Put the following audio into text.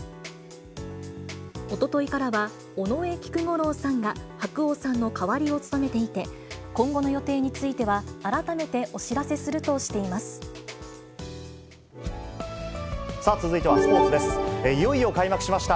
おとといからは、尾上菊五郎さんが白鸚さんの代わりを務めていて、今後の予定については、改めてお知らせするとしています。